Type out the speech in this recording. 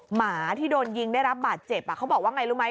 หมาที่โดนยิงได้รับบาดเจ็บเขาบอกว่าไงรู้ไหม